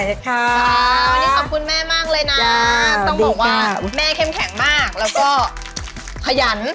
วันนี้ขอบคุณแม่มากเลยนะต้องบอกว่าแม่เข้มแข็งมากแล้วก็ขยัน